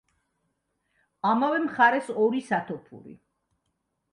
ამავე მხარეს ორი სათოფური.